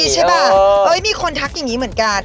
ใช่ป่ะมีคนทักอย่างนี้เหมือนกัน